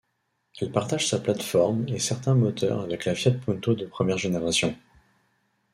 Elle partage sa plate-forme et certains moteurs avec la Fiat Punto de première génération.